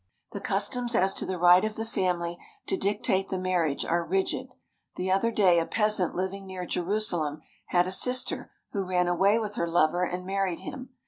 The customs as to the right of the family to dictate the marriage are rigid. The other day a peasant living near Jerusalem had a sister who ran away with her lover and married him.